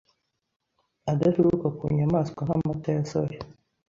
adaturuka ku nyamaswa nk’amata ya soya,